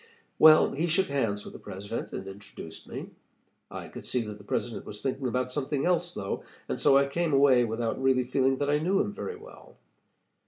"Well, he shook hands with the President, and introduced me. I could see that the President was thinking about something else, though, and so I came away without really feeling that I knew him very well.